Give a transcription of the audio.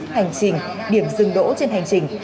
hành trình điểm dừng đỗ trên hành trình